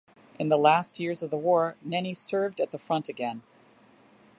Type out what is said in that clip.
In the last years of the war Nenni served at the front again.